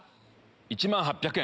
１万８００円。